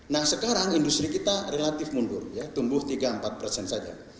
nah sekarang industri kita relatif mundur ya tumbuh tiga empat persen saja